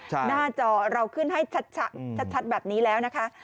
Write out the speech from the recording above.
หน้าจอเราขึ้นให้ชัดแบบนี้แล้วนะคะ